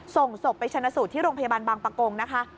ส่งศพไปชนะสูตรที่โรงพยาบาลบางประกงนะคะ